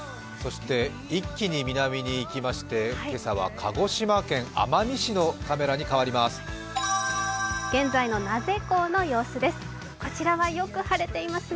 一気に南にいきまして、今朝は鹿児島県奄美市のカメラに変わります。